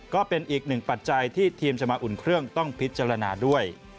ก็เป็นอีกหนึ่งปัจจัยที่ทีมจะมาอุ่นเครื่องต้องพิจารณาด้วย